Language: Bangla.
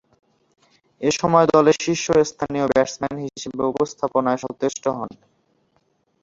এ সময়ে দলের শীর্ষস্থানীয় ব্যাটসম্যান হিসেবে উপস্থাপনায় সচেষ্ট হন।